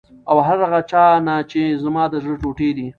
او هر هغه چا نه چې زما د زړه ټوټې دي،